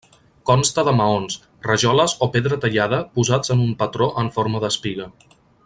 Consta de maons, rajoles o pedra tallada posats en un patró en forma d'espiga.